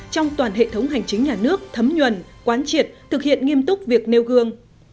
trong toàn hệ thống hành chính nhà nước thấm nhuần quán triệt thực hiện nghiêm túc việc nêu gương